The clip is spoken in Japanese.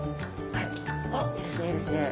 はいあっいいですねいいですね！